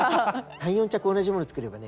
３４着同じ物作ればね